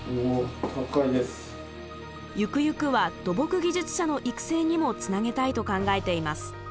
ゆくゆくは土木技術者の育成にもつなげたいと考えています。